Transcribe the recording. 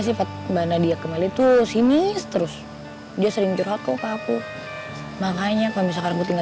sifat mbak nadia ke meli tuh sinis terus dia sering joroh aku ke aku makanya kalau misalkan gue tinggal